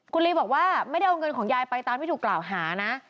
คุณลีบอกว่าไม่ได้เอาเงินของยายไปตามที่ถูกกล่าวหานะ